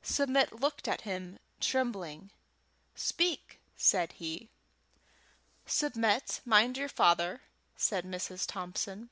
Submit looked at him, trembling. "Speak," said he. "Submit, mind your father," said Mrs. Thompson.